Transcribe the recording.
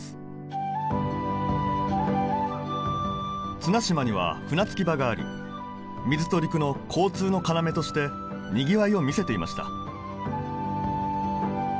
綱島には船着き場があり水と陸の交通の要としてにぎわいを見せていました